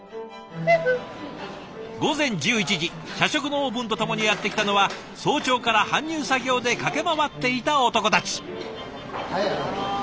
社食のオープンとともにやって来たのは早朝から搬入作業で駆け回っていた男たち。